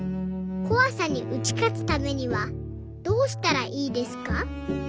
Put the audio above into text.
こわさに打ち勝つためにはどうしたらいいですか？」。